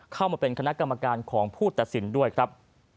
เข้ามาเป็นคณะกรรมการของผู้ตัดสินด้วยครับ